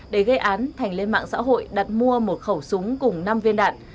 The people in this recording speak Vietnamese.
để gây án thành lên mạng xã hội đặt mua một khẩu súng cùng năm viên đạn